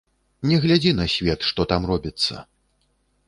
Не глядзі на свет, што там робіцца.